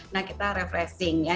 nah kita refreshing ya